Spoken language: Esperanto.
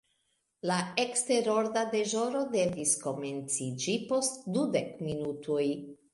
La eksterorda deĵoro devis komenciĝi post dudek minutoj.